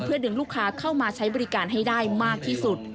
ดึงลูกค้าเข้ามาใช้บริการให้ได้มากที่สุด